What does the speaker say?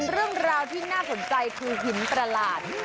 เรื่องราวที่น่าสนใจคือหินประหลาด